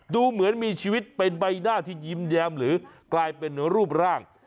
ดูเหมือนมีชีวิตเป็นใบหน้าที่ยิ้มแย้มหรือกลายเป็นรูปร่าง